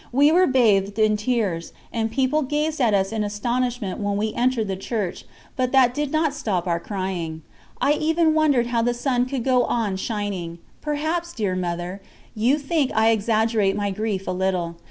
We were bathed in tears, and people gazed at us in astonishment when we entered the church, but that did not stop our crying. I even wondered how the sun could go on shining. Perhaps, dear Mother, you think I exaggerate my grief a little.